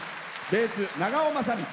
ベース、長尾雅道。